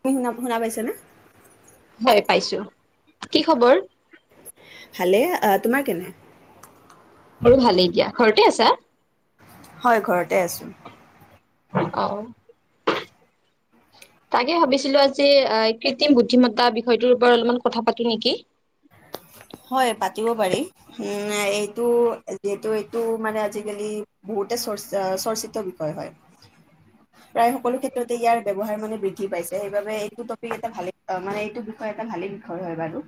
তুমি শুনা, শুনা পাইছ নে? হয় পাইছো। কি খবৰ? ভালেই, আ তোমাৰ কেনে? মোৰ ভালেই দিয়া। ঘৰতে আছা? হয় ঘৰতে আছো। অ তাকে ভাবিছিলো আজি কৃত্ৰিম বুদ্ধিমত্তা বিষয়টোৰ ওপৰত অলপমান কথা পাতো নেকি। হয় পাতিব পাৰি। উম এইটো যিহেতু এইটো মানে আজিকালি বহুতে চৰ্চ চৰ্চিত বিষয় হয়। [inaudible] প্ৰায় সকলো ক্ষেত্ৰতে ইয়াৰ ব্যৱহাৰ মানে বৃদ্ধি পাইছে। সেইবাবে এইটো টপিক এটা ভালে মানে এইটো এটা ভালে বিষয় হয় বাৰু।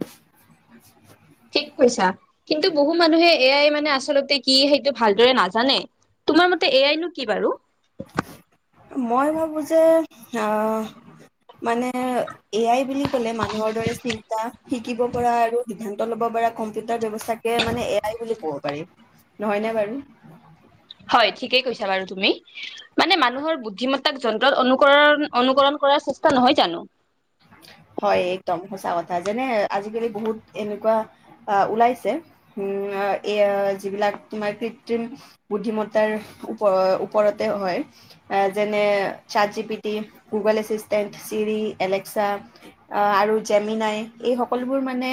ঠিক কৈছা কিন্তু বহু মানুহে এ আই মানে আচলতে কি সেইটো ভালদৰে নাজানে। তোমাৰ মতে এ আইনো- কি বাৰু? মই ভাবোঁ যে, আহ', - মানে এয়াই বুলি ক'লে মানুহৰ দৰে চিন্তা- শিকিব পৰা আৰু সিদ্ধান্ত ল'ব পাৰ কম্পিউটাৰ ব্যৱস্থাকে মানে এ আই বুলি ক'ব পাৰি। নহয়নে বাৰু। হয় ঠিকেই কৈছা বাৰু তুমি, মানে মানুহৰ বুদ্ধিমতা- যন্ত্ৰত অনুকৰণ-অনুকৰণ কৰাৰ চেষ্টা নহয় জানোঁ। হয়, একদম সঁচা কথা যেনে আজি-কালি বহুত এনেকুৱা- আহ', ওলাইছে উম' এই যিবিলাক তোমাৰ কৃত্ৰিম- বুদ্ধিমত্তাৰ ওপ-ওপৰতে হয়। যেনে- চাট G P T, Google assistant, Siri, Alexa- অ', আৰু জেমিনাই এই সকলোবোৰ মানে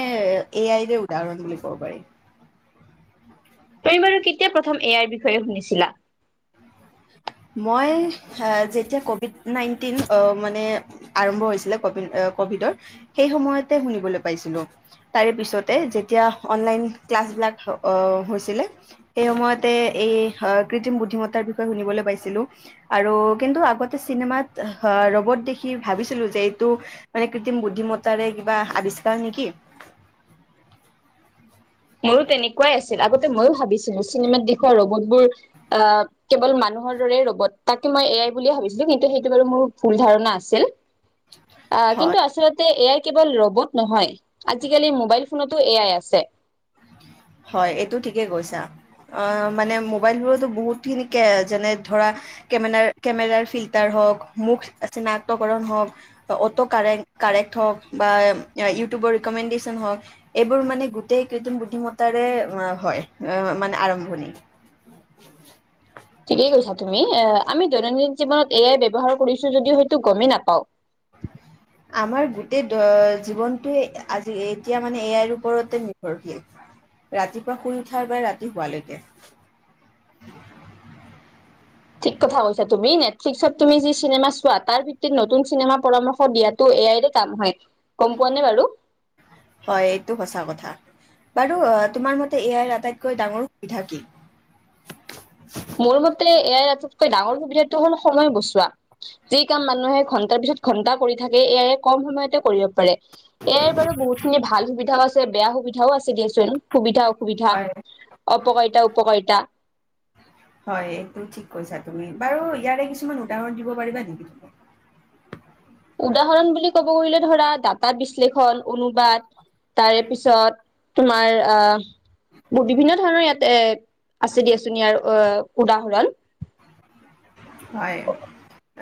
এ আইৰে উদাহৰণ বুলি ক'ব পাৰি। তুমি বাৰু কেতিয়া প্ৰথম এয়াৰ বিষয়ে শুনিছিলা? মই যেতিয়া কভিড নাইণ্টিন অ', মানে- আৰম্ভ হৈছিলে কভি-কভিডৰ, সেই সময়তে শুনিবলৈ পাইছিলোঁ। তাৰে পিছতে যেতিয়া অনলাইন ক্লাছ বিলাক হৈছিলে। সেই সময়তে এই কৃত্ৰিম বুদ্ধিমত্তাৰ বিষয়ে শুনিবলৈ পাইছিলোঁ। আৰু কিন্তু আগতে চিনেমাত ৰবট দেখি ভাবিছিলোঁ যে এইটো- মানে কৃত্ৰিম বুদ্ধিমত্তাৰে কিবা আৱিষ্কাৰ নেকি। মোৰো তেনেকুৱাই আছিল আগতে ময়ো ভাবিছিলোঁ। চিনেমাত দেখা ৰবতবোৰ আহ', - কেৱল মানুহৰ দৰেই ৰ'বত তাকে মই এয়াই বুলিয়ে ভাবিছিলোঁ কিন্তু সেইটো বাৰু মোৰ ভুল ধাৰণা আছিল। অ', হয় কিন্তু আচলতে এয়াই কেৱল ৰবত নহয়, আজি-কালি মোবাইল- ফোনতো এয়াই আছে। হয় এইটো ঠিকেই কৈছা। অ', মানে মোবাইলবোৰতো বহুতখিনিকে যেনে ধৰা- কেমেৰাৰ-কেমেৰাৰ ফিল্টাৰ হওঁক, মুখ চিনাক্তকৰণ হওঁক- অটো কাৰেক- কাৰেক্ট হওক, বা ইউটিউবৰ ৰিকমেণ্ডেশচন হওক। এইবোৰ মানে গোটেই কেইদম বুদ্ধিমত্তাৰে হয় মানে আৰম্ভণি। ঠিকেই কৈছা তুমি এ আমি দৈনন্দিন জীৱনত এয়াই ব্যৱহাৰ কৰিছো যদিও হয়তো গমেই নাপাওঁ। আমাৰ গোটেই জীৱনটোৱে আজি এতিয়া মানে এয়াৰ ওপৰতে নিৰ্ভৰশীল। ৰাতিপুৱা শুই উঠাৰ বাবে ৰাতি শুৱালৈকে। ঠিক কথা কৈছা তুমি নেটফ্লিক্সত তুমি যি চিনেমা চোৱা তাৰ ভিত্তিত নতুন চিনেমাৰ পৰামৰ্শ দিয়া টো এ আই ৰে কাম হয়, গম পোৱা নে বাৰু? হয় এইটো সঁচা কথা। বাৰু অ', তোমাৰ মতে এ আই ৰ আটাইতকৈ ডাঙৰ সুবিধা কি? মোৰ মতে এ আই ৰ আটাইতকৈ ডাঙৰ সুবিধাটো হ'ল সময় বচোৱা। যি কাম মানুহে ঘন্টাৰ পিছত ঘন্টা কৰি থাকে এ আইয়ে কম সময়তে কৰিব পাৰে। এ আই ৰ বাৰু বহুত খিনি ভাল সুবিধাও আছে বেয়া সুবিধাও আছে দিয়াচোন। সুবিধা- অসুবিধা, হয় অপকাৰিতা -উপকাৰিতা। হয় এইটো ঠিক কৈছা তুমি, বাৰু ইয়াৰে কিছুমান উদাহৰণ দিব পাৰিবা নেকি তুমি? উদাহৰণ বুলি ক'ব গলে ধৰা তাত তাত বিশ্লেষণ, অনুবাদ, তাৰে পিছত তোমাৰ আহ', - বিভিন্ন ধৰণৰ ইয়াতে এ, আছে দিয়াচোন ইয়াৰ অ', উদাহৰণ। হয়,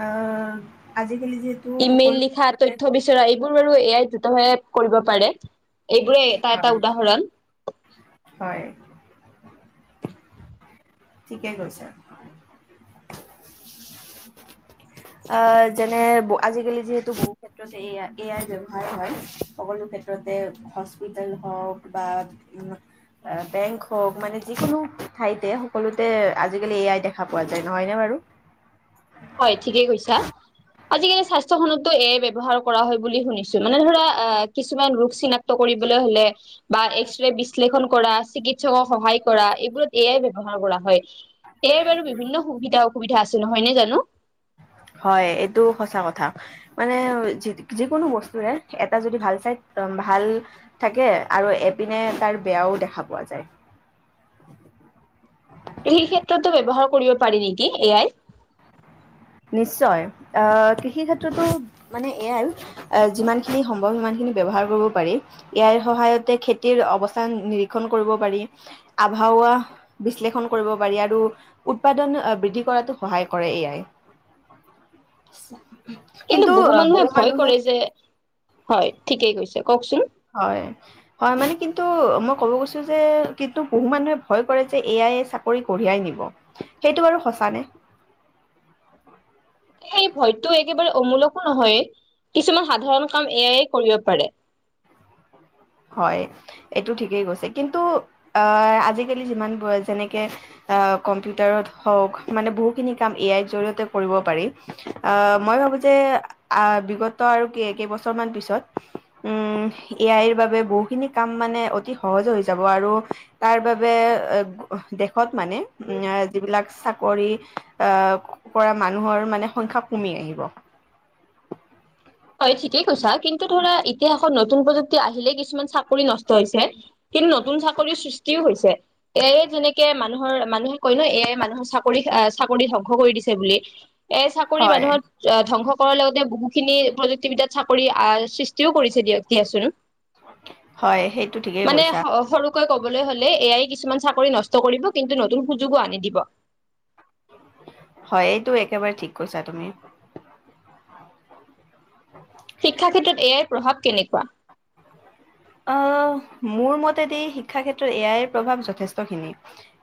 আহ', আজি-কালি যে ইমেইল লিখা তথ্য বিচৰা এইবোৰ বাৰু এয়াই দ্ৰুতভাৱে কৰিব পাৰে। এইবোৰে এটা হয়, এটা উদাহৰণ। হয়। ঠিকেই কৈছে। [inaudible] আহ যেনে আজিকালি যিহেতু বহু ক্ষেততে এ য়া এ আই ব্যৱহাৰ হয় সকলো ক্ষেত্ৰতে হস্পিটেল হওক বা উম বেংক হওক মানে যিকোনো ঠাইতে হ সকলোতে আজিকালি এ আই দেখা পোৱা যায় নহয়নে বাৰু? হয় ঠিকেই কৈছা। আজিকালি স্বাস্থ্য খনতো এ আই ৰ ব্যৱহাৰ কৰা হয় বুলি শুনিছো মানে ধৰা অ কিছুমান ৰোগ চিনাক্ত। কৰিবলৈ হলে বা এক্সেৰে বিশ্লেষণ কৰা চিকিৎসকৰ সহায় কৰা এইবোৰত এ আই ব্যৱহাৰ কৰা হয়। এ আই ৰ বাৰু বিভিন্ন সুবিধা অসুবিধা আছে নহয় নে জানোঁ। হয় এইটো সঁচা কথা। মানে যিকোনো বস্তুৰে এটা যদি ভাল চাইড ভাল থাকে আৰু এপিনে তাৰ বেয়াও দেখা পোৱা যায়। ত সেই ক্ষেত্ৰতো ব্যৱহাৰ কৰিব পাৰি নেকি এ আই। নিশ্চয় আহ কৃষি ক্ষেত্ৰতো মানে এ আই আহ যিমান খিনি সম্ভৱ সিমান খিনি ব্যৱহাৰ কৰিব পাৰি। ইয়াৰ সহায়তে খেতিৰ অৱস্থা নিৰীক্ষণ কৰিব পাৰি আভাহোৱা বিশ্লেষণ কৰিব পাৰি আৰু উৎপাদন বৃদ্ধি কৰাতো সহায় কৰে এ আই। [unintelligible] কিন্তু বহু মানুহে ভয় কৰে যে হয় ঠিকেই গৈছে কওঁকচোন। হয়। হয় মানে কিন্তু মই ক'ব গৈছো যে কিন্তু বহু মানুহে ভয় কৰে যে এ আই ৱে চাকৰি কঢ়িয়াই নিব। সেইটো বাৰু সঁচা নে? সেই ভয়তো একেবাৰে অমূলকো নহয় কিছুমান সাধাৰণ কাম এয়াইে কৰিব পাৰে। হয় এইটো ঠিকেই কৈছে। কিন্তু আহ আজিকালি যিমান হয় যেনেকে অ কম্পিউটাৰত হওক মানে বহুখিনি কাম এ আইৰ জৰিয়তে কৰিব পাৰি। অ মই ভাবো যে আহ বিগত আৰু কেইবছৰ মান পিছত উম এ আইৰ বাবে তাৰ বাবে বহুখিনি কাম মানে অতি সহজে হৈ যাব আৰু তাৰ বাবে এ দেশত মানে যিবিলাক চাকৰি আহ কৰা মানুহৰ মানে সংখ্যা কমি আহিব। হয় ঠিকেই কৈছা কিন্তু ধৰা ইতিহাসত নতুন প্ৰযুক্তি আহিলে কিছুমান চাকৰি নষ্ট হৈছে। কিন্তু নতুন চাকৰি সৃষ্টিও হৈছে এ আই যেনেকে মান মানুহৰ মানুহে কৈ ন এ আই মানুহৰ চাকৰি চাকৰি ধংস কৰি দিছে বুলি। এ চাকৰি হয়। মানুহত আহ ধ্বংস কৰাৰ লগতে বহুখিনি প্ৰযুক্তিবিদ্যাত চাকৰি আহ সৃষ্টি কৰিছে দিয়ক দিয়াচোন হয় সেইটো ঠিকেই মানে কৈছা সৰু কৈ কবলৈ হলে এয়াই কিছুমান চাকৰি নষ্ট কৰিব কিন্তু নতুন সুযোগো আনি দিব। হয় এইটো একেবাৰে ঠিক কৈছা তুমি। [inaudible] শিক্ষা ক্ষেত্ৰত এ আইৰ প্ৰভাৱ কেনেকুৱা? আহ মোৰ মতেদি শিক্ষা ক্ষেত্ৰত এয়াইৰ প্ৰভাৱ যথেষ্টখিনি।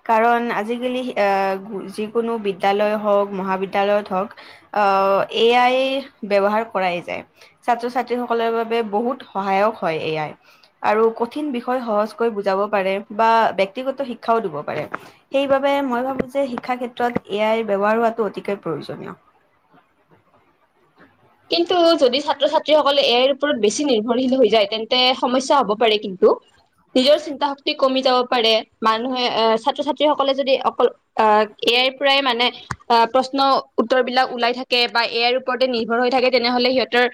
কাৰণ আজিকালি আহ যিকোনো বিদ্যালয় হওঁক মহাবিদ্যালয়ত হওক আঁহ এ আই ব্যৱহাৰ কৰাই যায়। ছাত্ৰ ছাত্ৰীসকলৰ বাবে বহুত সহায়ক হয় এ আই। আৰু কঠিন বিষয় সহজকৈ বুজাব পাৰে, বা ব্যক্তিগত শিক্ষাও দিব পাৰে। সেইবাবে মই ভাবো যে শিক্ষা ক্ষেত্ৰত এ আই ব্যৱহাৰ হোৱাটো অতিকৈ প্ৰয়োজনীয়। কিন্তু যদি ছাত্ৰ ছাত্ৰীসকলে ইয়াৰ ওপৰত বেছি নিৰ্ভৰশীল হৈ যায়, তেন্তে সমস্যা হ'ব পাৰে কিন্তু। নিজৰ চিন্তা শক্তি কমি যাব পাৰে, মানুহে আঁহ ছাত্ৰ ছাত্ৰীসকলে যদি অকল আহঁ। এ‌‌ আই পৰাই মানে অঁ প্ৰশ্ন উত্তৰ বিলাক ওলাই থাকে বা এ আই ওপৰতে নি ৰ্ভৰ হৈ থাকে তেনেহলে সিহঁতৰ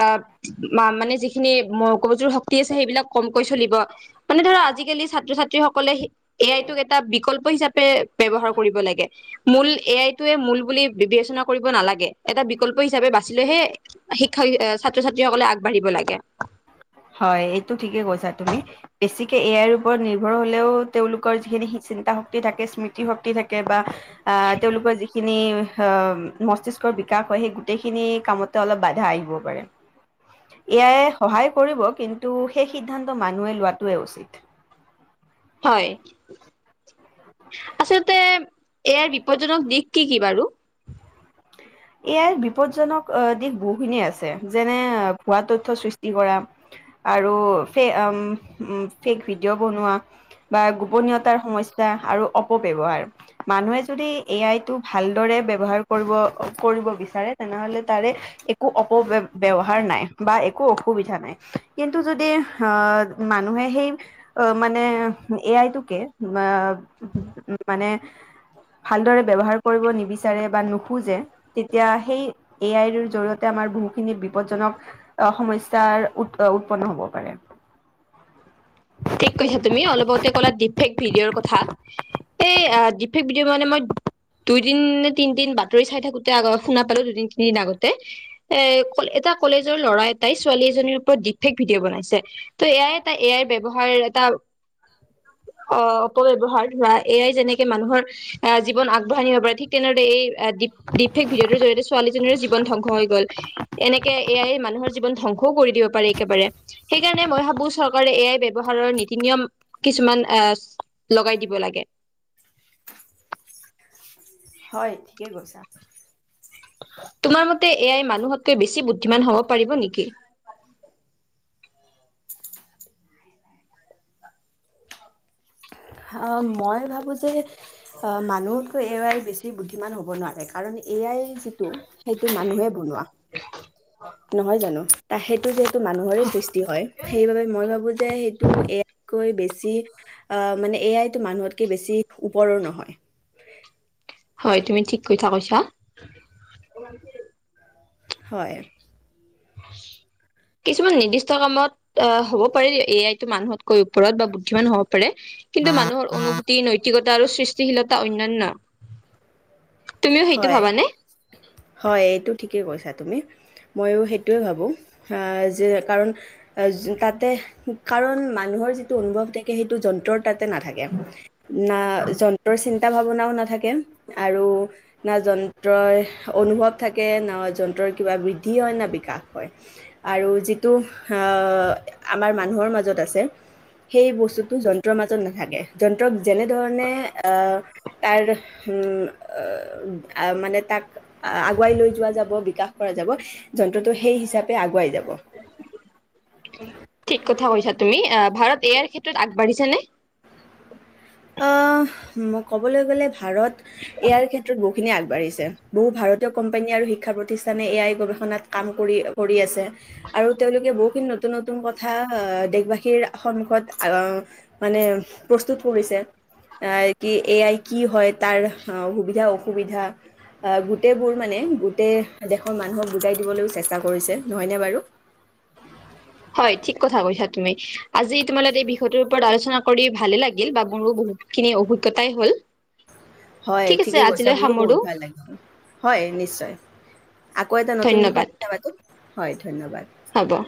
আঁহ মানে যিখিনি মগজুৰ শক্তি আছে সেইবিলাক কমকৈ চলিব। মানে ধৰা আজিকালি ছাত্ৰ ছাত্ৰীসকলে এ আইটোক এটা বিকল্প হিচাপে ব্যৱহাৰ কৰিব লাগে। মূল এ আইটোৱে মূল বুলি বিবেচনা কৰিব নালাগে, এটা বিকল্প হিচাপে বা ছিলে হে শিক্ষা ছাত্ৰ ছাত্ৰী সকলে আগবাঢ়িব লাগে। হয়, এইটো ঠিকে কৈছা তুমি। বেছিকে এ আইৰ ওপৰত নিৰ্ভৰ হলেও, তেওঁলোকৰ যিখিনি চিন্তা শক্তি থাকে স্মৃতি শক্তি থাকে বা আঁহ তেওঁলোকৰ যিখিনি, অ মস্তিষ্ক বিকাশ হয় সেই গোটেইখিনি কামতে অলপ বাধা আহিব পাৰে। এ আই সহায় কৰিব, কিন্তু সেই সিদ্ধান্ত মানুহেই লোৱাটোৱে উচিত। হয়, ‌আচলতে ইয়াৰ বিপদজ্জনক দিশ, কি কি বাৰু? [inaudible] এ আই বিপদজ্জনক আঁহ দিশ বহুখিনিয় আছে, যেনে ভুৱা তথ্য সৃষ্টি কৰা। আৰু ফে অঁ উম ফেক ভিডিঅ বনোৱা। বা গোপনীয়তাৰ সমস্যা আৰু অপব্যৱহাৰ। মানুহে যদি এ আইটো ভালদৰে ব্যৱহাৰ কৰিব কৰিব বিচাৰে তেনেহলে তাৰে একো অপব্যৱহাৰ নাই বা একো অসুবিধা নাই কিন্তু যদি আহঁ মানুহে সেই অ মানে এ আইটোকে অঁ মানে ভালদৰে ব্যৱহাৰ কৰিব নিবিচাৰে বা‌ নো খুজে তেতিয়া সেই এ আইৰ জৰিয়তে আমাৰ বহুখিনি বিপদজ্জনক। সমস্যাৰ উ উৎপন্ন হ'ব পাৰে। ঠিক কৈছা তুমি অলপ আগতে ক'লা ফেক ভিডিঅ'ৰ কথা। এই ডিফিক ভিডিঅ' মানে মই দুইদিন নে তিনিদিন বাতৰি চাই থাকোতে আগ শুনা পালো দুদিন তিনিদিন আগতে। এ ক এটা কলেজৰ ল'ৰা এটাই ছোৱালী এজনীৰ ওপৰত ডি ফেক ভিডিঅ' বনাইছে। ত এ আই এটা এআইৰ ব্য এটা অ অপব্যৱহাৰৰ হোৱা এআইৰ যেনেকে মানুহৰ আহ জীৱন আগবঢ়াই নিব পাৰে ঠিক তেনেদৰে এই ডিফেক্ট ভিডিঅ'টো জৰিয়তে‌ ছোৱালীজনীৰে জীৱন ধংস‌ হৈ গ'ল। এনেকে এ আই মানুহৰ জীৱন ধ্বংসও কৰি দিব পাৰে একেবাৰে। সেইকাৰণে মই ভাবো চৰকাৰে এ আই ব্য হাৰ নীতি নিয়ম কিছুমান এ লগাই দিব লাগে। হয় ঠিকে কৈছা। তোমাৰ মতে এ আই মানুহতকৈ বেছি বুদ্ধিমান হব পাৰিব নেকি? অ, মই ভাবো যে। অ মানুহতকৈ এ আই বেছি বুদ্ধিমান হ'ব নোৱাৰে কাৰণ এ আই যিটো সেইটো মানুহে বনোৱা [unintelligible] নহয় জানোঁ তা সেইটো যিহেতু মানুহৰে সৃষ্টি হয় সেইবাবে মই ভাবোঁ যে সেইটো এ কৈ বেছি আহ মানে এ আইতো মানুহতকে বেছি ওপৰৰ নহয় হয় তুমি ঠিক কথা কৈছা তোৰ নাম কি হয় কিছুমান নিৰ্দিষ্ট কামত অ হ'ব পাৰে এ আই ত মানুহতকৈ ওপৰত বা বুদ্ধিমান হও কিন্তু মানুহৰ অনুভূতি নৈতিকতা আৰু সৃষ্টিশীলতা অন্যান্য তুমিও সেইটো হয় ভাবানে? হয় এইটো ঠিকে কৈছা তুমি মইয়ো সেইটোৱে ভাবোঁ যে কাৰণ তাতে কাৰণ মানুহৰ যিটো অনুভৱ থাকে সেইটো যন্ত্ৰত তাতে নাথাকে না যন্ত্ৰৰ চিন্তা ভাৱনাও নাথাকে আৰু না যন্ত্ৰৰই অনুভৱ থাকে ন যন্ত্ৰৰ কিবা বৃদ্ধি হয় না বিকাশ হয় আৰু যিটো আমাৰ মানুহৰ মাজত আছে সেই বস্তুটো যন্ত্ৰৰ মাজত নাথাকে যন্ত্ৰক যেনেধৰণে অ তাৰ মানে তাক আগুৱাই লৈ যোৱা যাব বিকাশ কৰা যাব যন্ত্ৰটো সেই হিচাপে আগুৱাই যাব ঠিক কথা কৈছা তুমি ভাৰত এ আই ক্ষেত্ৰত আগবাঢ়িছে নে ক'বলৈ গ'লে ভাৰত ইয়াৰ ক্ষেত্ৰত বহুত খিনি আগবাঢ়িছে বহু ভাৰতীয় কোম্পানী আৰু শিক্ষা প্ৰতিষ্ঠানে এ আই গৱেষণাত কাম কৰি কৰি আছে আৰু তেওঁলোকে বহুখিনি নতুন নতুন কথা আহ দেশবাসীৰ সন্মুখত আহ মানে প্ৰস্তুত কৰিছে এ কি এ আই কি হয় তাৰ সুবিধা অসুবিধা আহ গোটেইবোৰ মানে গোটেই দেশৰ মানুহক বুজাই দিবলৈও চেষ্টা কৰিছে নহয়নে বাৰু হয় ঠিক কথা কৈছা তুমি আজি তোমাৰ এই বিষয়টোৰ ওপৰত আলোচনা কৰি ভালে লাগিল বা মোৰো বহুত খিনি অভিজ্ঞতাই হ'ল হয় ঠিক আছে ঠিকে কৈছা আজিলৈ মোৰো সামৰো বহুত ভাল লাগিব হয় নিশ্চয় আকৌ এটা নতুন বিষয় ধন্যবাদ কথাপাতো হয় ধন্যবাদ হব